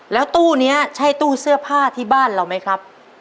แล้วตู้นี้ใช่ตู้เสื้อผ้าที่บ้านเราไหมครับ